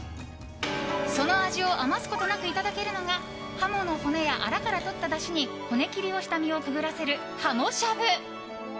その味を余すことなくいただけるのがハモの骨やアラからとっただしから骨切りをした身をくぐらせるはもしゃぶ。